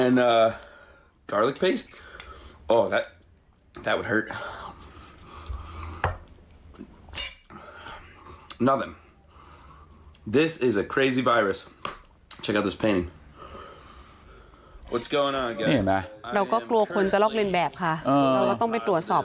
นี่เห็นนะเราก็กลัวคนจะลองเล่นแบบค่ะเออต้องไปตรวจสอบ